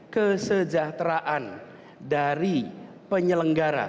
kesejahteraan dari penyelenggara